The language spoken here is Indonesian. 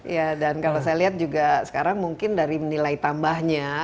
ya dan kalau saya lihat juga sekarang mungkin dari nilai tambahnya